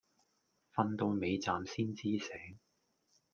瞓到尾站先知醒